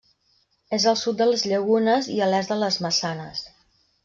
És al sud de les Llagunes i a l'est de les Maçanes.